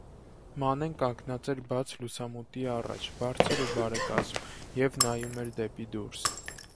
Մանեն կանգնած էր բաց լուսամուտի առաջ, բարձր ու բարեկազմ, և նայում էր դեպի դուրս: